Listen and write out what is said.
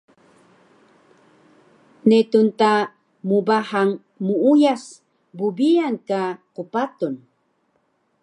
netun ta mbahang muuyas bbiyan ka qpatun